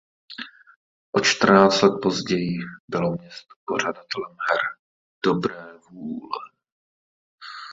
O čtrnáct let později bylo město pořadatelem her dobré vůle.